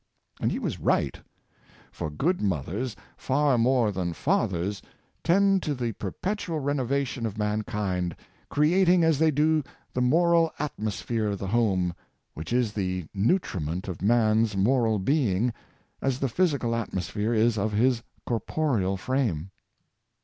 And he was right: for good mothers, far more than fathers, tend to the perpetual renovation of mankind, creating as they do the moral atmosphere of 7 98 Home the Best School, the home, which is the nutriment of man's moral being, as the physical atmosphere is of his corporeal frame.